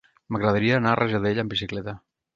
M'agradaria anar a Rajadell amb bicicleta.